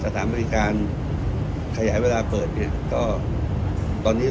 การประชุมเมื่อวานมีข้อกำชับหรือข้อกำชับอะไรเป็นพิเศษ